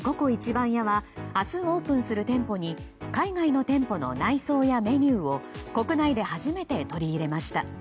番屋は明日オープンする店舗に海外の店舗の内装やメニューを国内で初めて取り入れました。